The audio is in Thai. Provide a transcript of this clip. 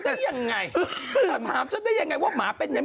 ถามได้ยังไงถามฉันได้ยังไงว่าหมาเป็นไง